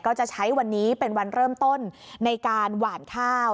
ก็จะใช้วันนี้เป็นวันเริ่มต้นในการหวานข้าว